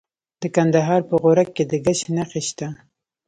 د کندهار په غورک کې د ګچ نښې شته.